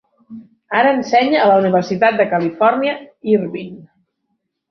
Ara ensenya a la Universitat de Califòrnia, Irvine.